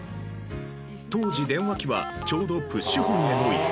当時電話機はちょうどプッシュホンへの移行期。